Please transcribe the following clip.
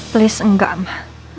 please enggak ma